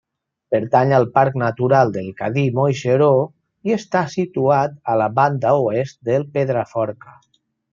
Pertany al Parc Natural del Cadí-Moixeró i està situat a la banda oest del Pedraforca.